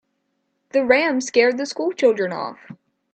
The ram scared the school children off.